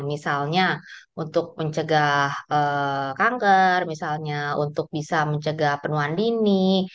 misalnya untuk mencegah kanker misalnya untuk bisa mencegah penuhan dini